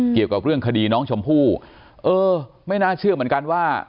เกี่ยวกับเรื่องคดีน้องชมพู่เออไม่น่าเชื่อเหมือนกันว่า